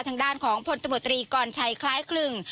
ทางด้านของพลตำรวจตรีกรชัยคล้ายกลึง